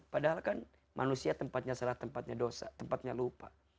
padahal kan manusia tempatnya salah tempatnya dosa tempatnya lupa